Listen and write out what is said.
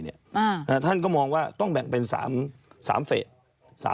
ท่านก็มองว่าต้องแบ่งเป็น๓เฟส